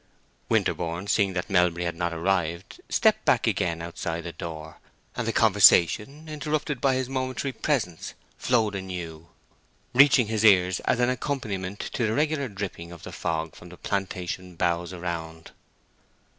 Winterborne, seeing that Melbury had not arrived, stepped back again outside the door; and the conversation interrupted by his momentary presence flowed anew, reaching his ears as an accompaniment to the regular dripping of the fog from the plantation boughs around.